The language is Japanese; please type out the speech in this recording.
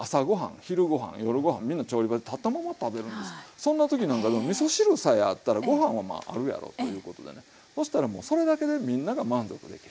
そんな時なんかでもみそ汁さえあったらご飯はまああるやろうということでねそしたらもうそれだけでみんなが満足できる。